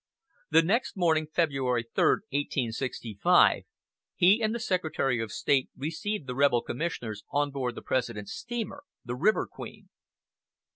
The next morning, February 3, 1865, he and the Secretary of State received the rebel commissioners on board the President's steamer, the River Queen.